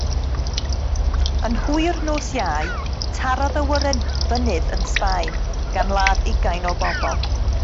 Yn hwyr nos Iau tarodd awyren fynydd yn Sbaen, gan ladd ugain o bobl.